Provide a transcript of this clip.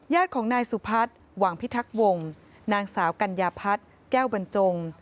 ญาติของนายสุพัฒน์หวังพิทักวงนางสาวกัญญาพัฒน์แก้วบรรจง